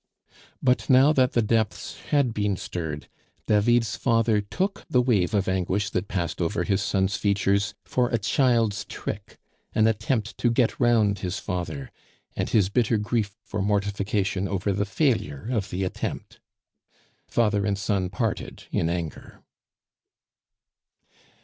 But now that the depths had been stirred, David's father took the wave of anguish that passed over his son's features for a child's trick, an attempt to "get round" his father, and his bitter grief for mortification over the failure of the attempt. Father and son parted in anger.